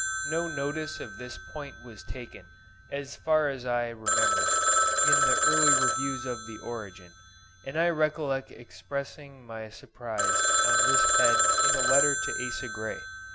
No notice of this point was taken, as far as I remember, in the early reviews of the 'Origin,' and I recollect expressing my surprise on this head in a letter to Asa Gray.